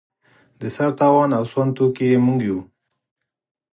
د سر تاوان او سوند توکي یې موږ یو.